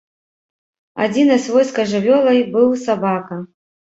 Адзінай свойскай жывёлай быў сабака.